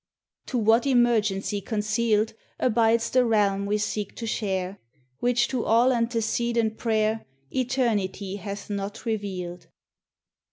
To what emergency concealed, Abides the realm we seek to share Which to all antecedent pray'r Eternity hath not revealed?